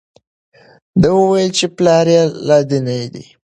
ده وویل چې پلار یې لادیني دی.